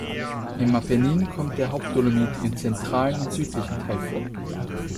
Im Apennin kommt der Hauptdolomit im zentralen und südlichen Teil vor.